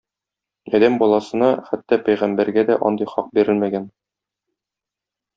Адәм баласына, хәтта пәйгамбәргә дә андый хак бирелмәгән.